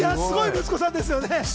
すごい息子さんですよね。